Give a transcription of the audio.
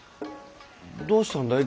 どうしたんだい？